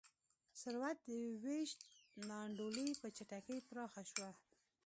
ثروت د وېش نا انډولي په چټکۍ پراخه شوه.